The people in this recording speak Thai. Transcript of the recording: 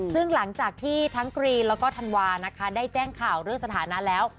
ซึ่งหลังจากที่ทั้งกรีนแล้วก็ธันวานะคะได้แจ้งข่าวเรื่องสถานะแล้ว